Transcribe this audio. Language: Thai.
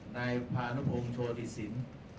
นายพานภูมิโชว์ธิสิน